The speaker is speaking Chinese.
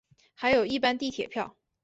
还有一般地铁票